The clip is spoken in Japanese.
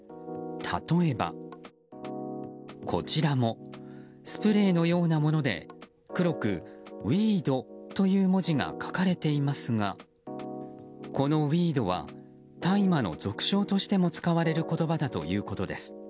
例えば、こちらもスプレーのようなもので黒く、Ｗｅｅｄという文字が書かれていますがこのウィードは大麻の俗称としても使われる言葉だということです。